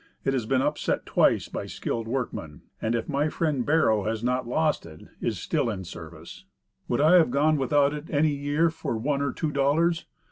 It has been ''upset" twice by skilled workmen; and, if my friend "Bero" has not lost it, is still in service. Would I have gone without it any year for one or two dollars?